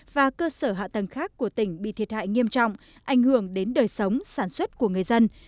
và cơ sở hạ tầng khác của tỉnh bị thiệt hại nghiêm trọng ảnh hưởng đến đời sống sản xuất của người dân